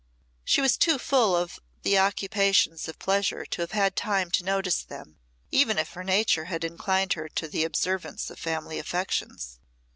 She was too full of the occupations of pleasure to have had time to notice them, even if her nature had inclined her to the observance of family affections.